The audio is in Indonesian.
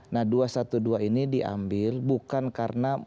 nah dua ratus dua belas ini diambil bukan karena